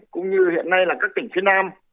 cũng như hiện nay là các tỉnh phía nam